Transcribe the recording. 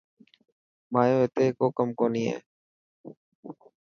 مايو اتي ڪو ڪم ڪوني هي.